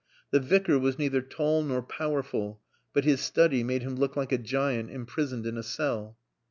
The Vicar was neither tall nor powerful, but his study made him look like a giant imprisoned in a cell.